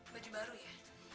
baju baru ya